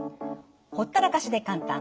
ほったらかしで簡単！